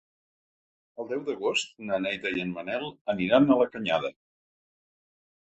El deu d'agost na Neida i en Manel aniran a la Canyada.